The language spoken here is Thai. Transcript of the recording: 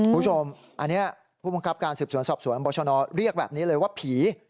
ผู้ชมอันเนี่ยผู้บังคับการสืบสวนสอบสวนอำเบิกชอนเนาเรียกแหละว่าผี